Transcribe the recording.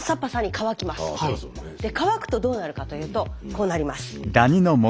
乾くとどうなるかというとこうなります。